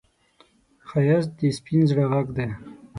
ښایست د سپين زړه غږ دی